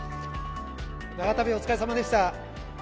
長旅お疲れさまでした。